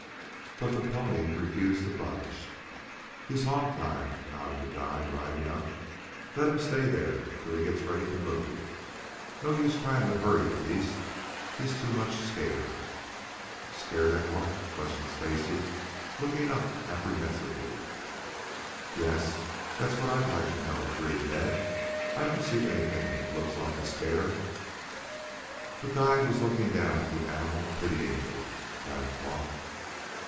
But the pony refused to budge. "He's 'hog tied,'" nodded the guide, riding up. "Let him stay there till he gets ready to move. No use trying to hurry the beast. He's too much scared." "Scared at what?" questioned Stacy, looking up apprehensively. "Yes; that's what I'd like to know?" agreed Ned. "I don't see anything that looks like a scare." The guide was looking down at the animal pityingly, Tad thought.